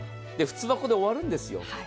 普通はここで終わるんですよ。